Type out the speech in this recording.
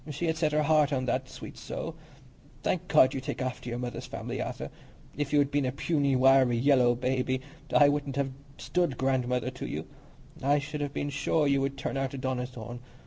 She had set her heart on that, sweet soul! Thank God you take after your mother's family, Arthur. If you had been a puny, wiry, yellow baby, I wouldn't have stood godmother to you. I should have been sure you would turn out a Donnithorne.